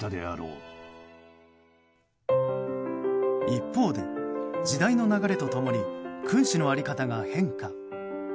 一方で、時代の流れと共に君主の在り方が変化。